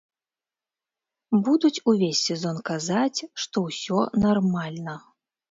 Будуць увесь сезон казаць, што ўсё нармальна.